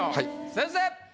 先生！